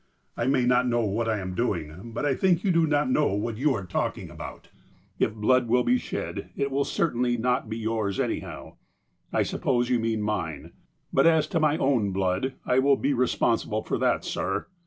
1 may not know what I am doing. But I think you do not know what you are talking about. If blood will be shed, it certainly will not be yours anyhow. I suppose you mean mine. But, as to my own blood, I will be re sponsible for that, sir.